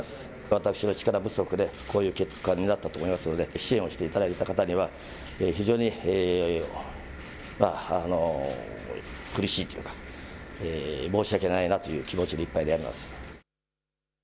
私の力不足でこういう結果になったと思いますので支援をしていただいた方には非常に苦しいというか、申し訳ないなという気持ちでいっぱいであります。